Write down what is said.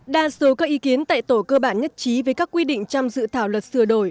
đa số các ý kiến tại tổ cơ bản nhất trí với các quy định trong dự thảo luật sửa đổi